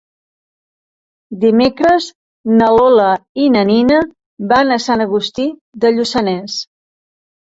Dimecres na Lola i na Nina van a Sant Agustí de Lluçanès.